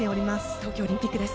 東京オリンピックです。